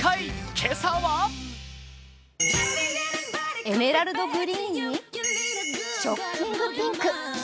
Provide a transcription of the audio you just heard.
今朝はエメラルドグリーンにショッキングピンク。